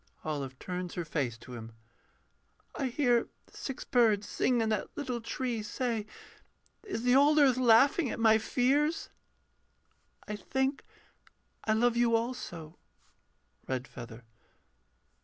OLIVE [turns her face to him.] I hear six birds sing in that little tree, Say, is the old earth laughing at my fears? I think I love you also.... REDFEATHER.